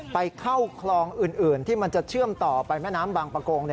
ไปเข้าคลองอื่นที่มันจะเชื่อมต่อไปแม่น้ำบางประกง